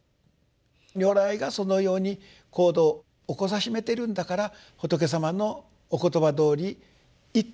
如来がそのように行動を起こさしめているんだから仏様のお言葉どおり「行ッテ」